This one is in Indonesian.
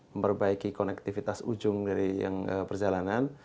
memperbaiki konektivitas ujung dari yang perjalanan